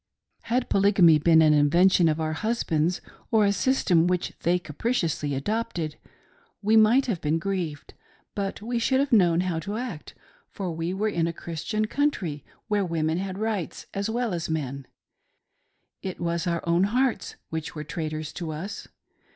Had Polygamy been an invention of our husbands, or a sys tem which they capriciously adopted, we might have been grieved, but we should have known how to act, for we were in a Christian country where women had rights as well as men ;— it was our own hearts which were traitors to us.